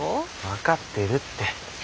分かってるって。